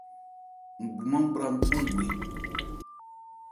Ngbumán bhra nkɔn gbre.